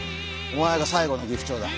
お前が最後のギフチョウだ。